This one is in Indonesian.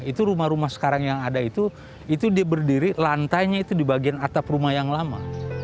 itu rumah rumah sekarang yang ada itu itu dia berdiri lantainya itu di bagian atap rumah yang lama